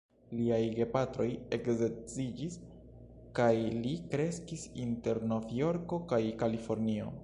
Liaj gepatroj eksedziĝis, kaj li kreskis inter Novjorko kaj Kalifornio.